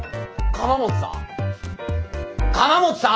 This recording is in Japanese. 鎌本さん？